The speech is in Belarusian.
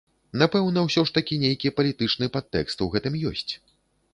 Напэўна, усё ж такі нейкі палітычны падтэкст у гэтым ёсць.